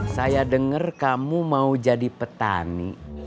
saya dengar kamu mau jadi petani